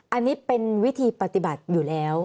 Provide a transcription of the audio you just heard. อันนี้เป็นวิธีปฏิบัติอยู่แล้ว